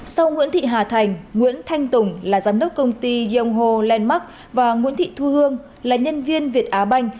sau nguyễn thị hà thành nguyễn thanh tùng là giám đốc công ty yong ho landmark và nguyễn thị thu hương là nhân viên việt á banh